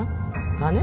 金？